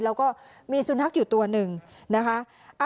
เราก็มีสุนฮักษ์อยู่ตัวหนึ่งนะคะ